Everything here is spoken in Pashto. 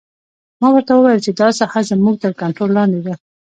ما ورته وویل چې دا ساحه زموږ تر کنترول لاندې ده